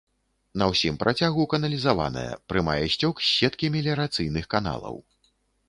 На ўсім працягу каналізаваная, прымае сцёк з сеткі меліярацыйных каналаў.